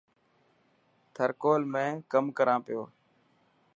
ٿر ڪول ۾ ڪم ڪران پيو.